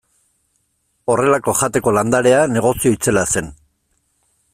Horrelako jateko landarea negozio itzela zen.